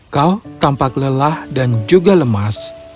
kau tampak lelah dan juga lemas